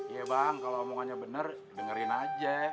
iya bang kalau omongannya bener dengerin aja